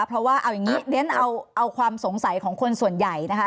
เพราะว่าเอาอย่างนี้เรียนเอาความสงสัยของคนส่วนใหญ่นะคะ